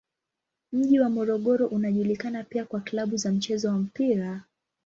Mji wa Morogoro unajulikana pia kwa klabu za mchezo wa mpira.